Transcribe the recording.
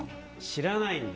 知らないの？